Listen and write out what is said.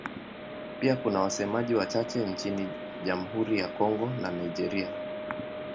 Pia kuna wasemaji wachache nchini Jamhuri ya Kongo na Nigeria.